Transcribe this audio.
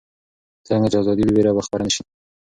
څرنګه چې ازادي وي، ویره به خپره نه شي.